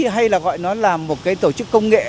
hay là gọi nó là một cái tổ chức công nghệ